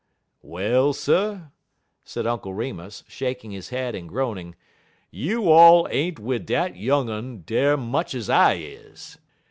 "Well, sir," said Uncle Remus, shaking his head and groaning, "you all ain't wid dat young un dar much ez I is.